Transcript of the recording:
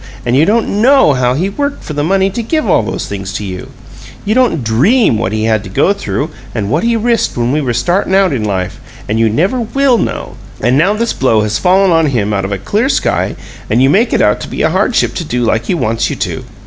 And you don't KNOW how he worked for the money to give all these things to you! You don't DREAM what he had to go through and what he risked when we were startin' out in life; and you never WILL know! And now this blow has fallen on him out of a clear sky, and you make it out to be a hardship to do like he wants you to!